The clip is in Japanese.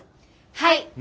はい。